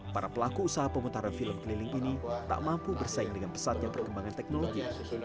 para pelaku usaha pemutaran film keliling ini tak mampu bersaing dengan pesatnya perkembangan teknologi